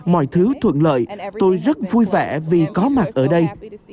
mọi thứ thuận lợi tôi rất vui vẻ vì có mặt ở đây